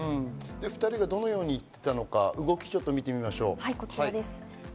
２人がどのように行っていたのか、動きを見てみましょう。